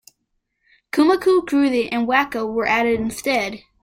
"Kozmik Krooz'r" and "Wacko" were added instead.